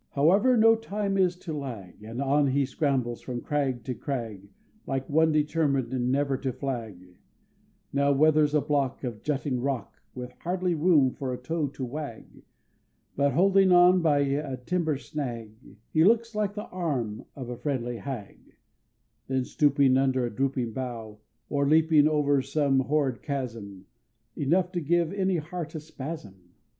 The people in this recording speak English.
However, no time it is to lag, And on he scrambles from crag to crag, Like one determined never to flag Now weathers a block Of jutting rock, With hardly room for a toe to wag; But holding on by a timber snag, That looks like the arm of a friendly hag; Then stooping under a drooping bough, Or leaping over some horrid chasm, Enough to give any heart a spasm!